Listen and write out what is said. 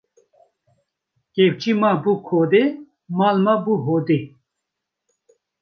Kevçî ma bi kodê, mal ma bi hodê